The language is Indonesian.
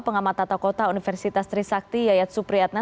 pengamat tata kota universitas trisakti yayat supriyatna